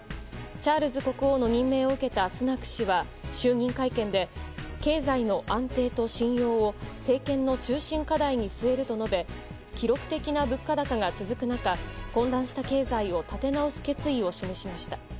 チャールズ国王の任命を受けたスナク氏は就任会見で、経済の安定と信用を政権の中心課題に据えると述べ記録的な物価高が続く中混乱した経済を立て直す決意を示しました。